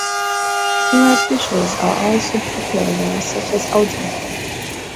Simmered dishes are also popular such as "oden".